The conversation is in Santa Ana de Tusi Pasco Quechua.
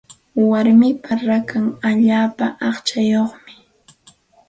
Warmipa rakan allaapa aqchayuqmi.